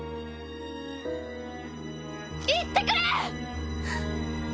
言ってくれ！